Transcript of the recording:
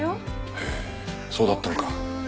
へえそうだったのか。